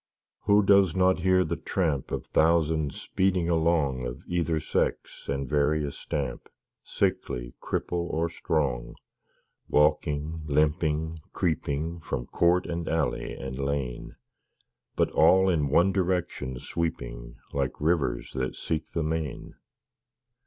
Who does not hear the tramp Of thousands speeding along Of either sex and various stamp, Sickly, cripple, or strong, Walking, limping, creeping From court and alley, and lane, But all in one direction sweeping Like rivers that seek the main?